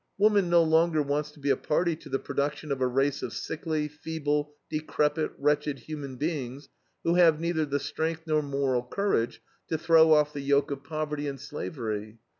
Woman no longer wants to be a party to the production of a race of sickly, feeble, decrepit, wretched human beings, who have neither the strength nor moral courage to throw off the yoke of poverty and slavery.